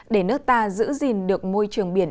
để nước ta giữ gìn được môi trường biển